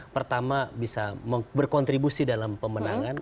pertama bisa berkontribusi dalam pemenangan